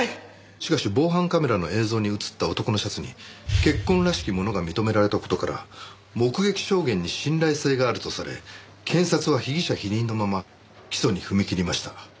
しかし防犯カメラの映像に映った男のシャツに血痕らしきものが認められた事から目撃証言に信頼性があるとされ検察は被疑者否認のまま起訴に踏み切りました。